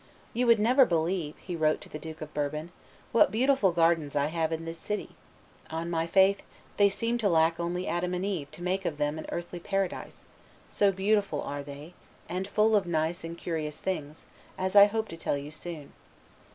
"You would never believe," he wrote to the Duke of Bourbon, "what beautiful gardens I have in this city; on my faith, they seem to me to lack only Adam and Eve to make of them an earthly paradise, so beautiful are they, and full of nice and curious things, as I hope to tell you soon.